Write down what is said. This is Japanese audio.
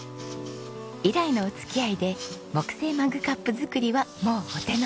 以来のお付き合いで木製マグカップ作りはもうお手の物。